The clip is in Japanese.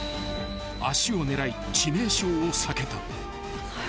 ［脚を狙い致命傷を避けた］